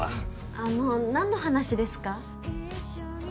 あのう何の話ですか？